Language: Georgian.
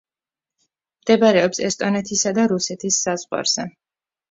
მდებარეობს ესტონეთისა და რუსეთის საზღვარზე.